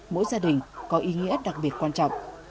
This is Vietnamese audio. mỗi gia đình có ý nghĩa đặc biệt quan trọng